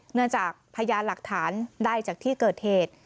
เนื่องจากพยานหลักฐานได้จากที่เกิดเหตุ